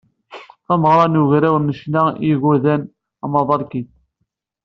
Tameɣra n ugraw n ccna i yigerdan "Amaḍal Kids."